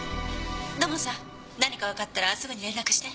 「土門さん何かわかったらすぐに連絡して」